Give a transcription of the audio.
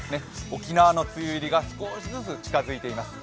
沖縄の梅雨入りが少しずつ近づいています。